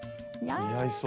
似合いそう。